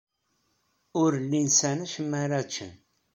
Ur llin sɛan acemma ara ččen.